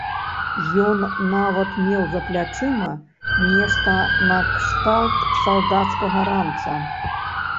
Ён нават меў за плячыма нешта накшталт салдацкага ранца.